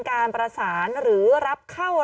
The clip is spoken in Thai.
กล้องกว้างอย่างเดียว